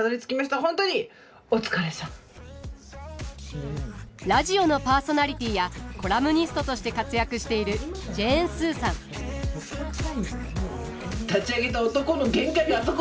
本当にラジオのパーソナリティーやコラムニストとして活躍している立ち上げた男の限界があそこっていうことは。